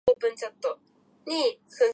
文章書くのしんどい